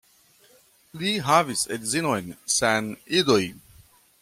Li havis edzinon sen idoj.